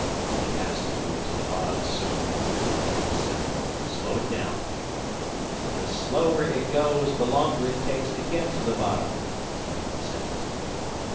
"It has to move to the bottom soon," Magnan said. "Slow it down." "The slower it goes, the longer it takes to get to the bottom," someone said.